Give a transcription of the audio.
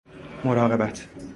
مراقبت